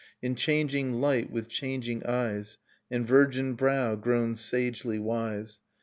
In changing light, with changing eyes, And virgin brow grown sagely wise.